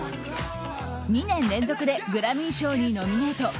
２年連続でグラミー賞にノミネート。